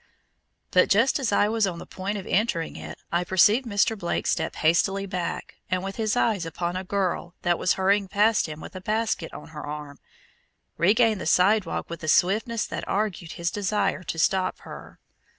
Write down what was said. But just as I was on the point of entering it I perceived Mr. Blake step hastily back and with his eyes upon a girl that was hurrying past him with a basket on her arm, regain the sidewalk with a swiftness that argued his desire to stop her.